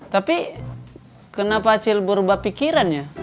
tapi kenapa acil berubah pikirannya